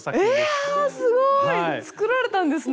ええああすごい！作られたんですね！